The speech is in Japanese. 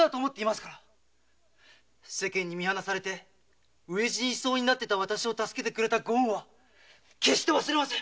世間に見放され飢え死にしそうなわたしを助けてくれたご恩は決して忘れません。